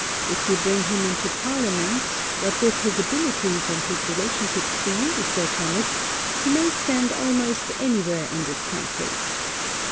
If you bring him into parliament, what with his abilities and his relationship to you, Sir Thomas, he may stand almost any where in this country.